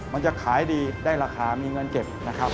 มันจะขายดีได้ราคามีเงินเก็บนะครับ